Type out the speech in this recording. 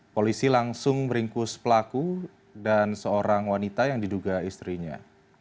polisi langsung meringkus pelaku dan seorang wanita yang diduga istrinya